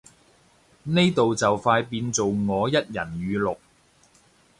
呢度就快變做我一人語錄